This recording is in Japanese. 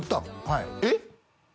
はいえっ？